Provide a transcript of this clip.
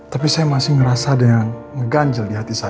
tapi saya masih ngerasa ada yang ngeganjel di hati saya